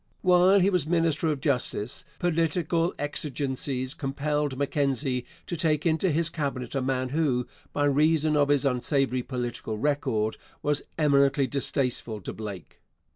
While he was minister of Justice, political exigencies compelled Mackenzie to take into his Cabinet a man who, by reason of his unsavoury political record, was eminently distasteful to Blake.